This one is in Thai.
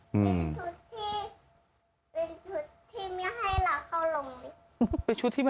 อ๋อหน้าแม่โบเหมือนเบเบ